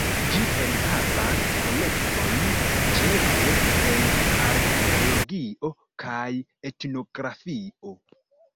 Ĝi enhavas kolektojn ĉefe el arkeologio kaj etnografio.